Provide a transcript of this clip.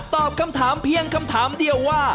ตอบคำถามเพียงคำถามเดียวว่า